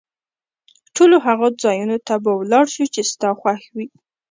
ټولو هغو ځایونو ته به ولاړ شو، چي ستا خوښ وي.